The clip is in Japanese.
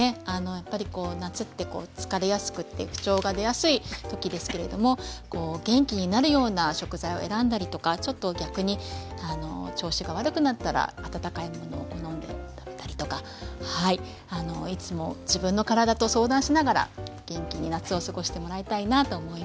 やっぱりこう夏って疲れやすくって不調が出やすい時ですけれども元気になるような食材を選んだりとかちょっと逆に調子が悪くなったら温かい物を好んで食べたりとかいつも自分の体と相談しながら元気に夏を過ごしてもらいたいなと思います。